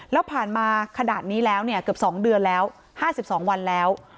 แล้วผ่านมาขนาดนี้แล้วเกือบ๒เดือนแล้ว๕๒วันแล้ว